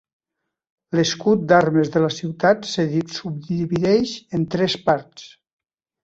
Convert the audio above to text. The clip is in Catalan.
L'escut d'armes de la ciutat se subdivideix en tres parts.